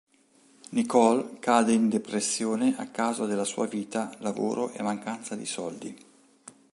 Nicole cade in depressione a causa della sua vita, lavoro e mancanza di soldi.